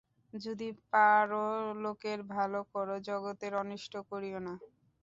যদি পার লোকের ভাল কর, জগতের অনিষ্ট করিও না।